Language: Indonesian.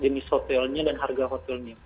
dari harga hotelnya dan harga hotelnya